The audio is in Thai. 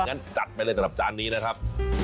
งั้นจัดไปเลยสำหรับจานนี้นะครับ